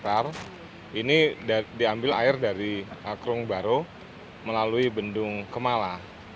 di ruko ini diambil air dari krueng baro melalui bendung kemala